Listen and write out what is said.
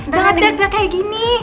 jangan trek trek kayak gini